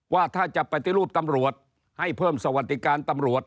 ว่าถ้าจะปฏิรูปตำรวจให้เพิ่มสวัสดิการตำรวจ